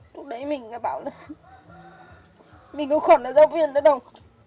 lúc đấy mình đã bảo là mình không còn là giáo viên nữa đâu